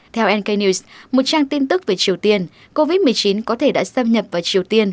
theo nqs một trang tin tức về triều tiên covid một mươi chín có thể đã xâm nhập vào triều tiên